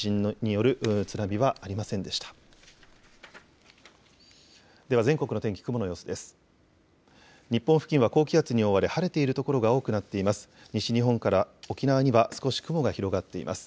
日本付近は高気圧に覆われ晴れている所が多くなっています。